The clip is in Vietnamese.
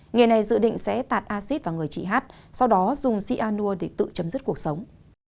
người này dự định sẽ tạt acid vào người chị hát sau đó dùng sianua để tự chấm dứt cuộc sống